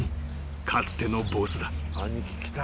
かつてのボスだ］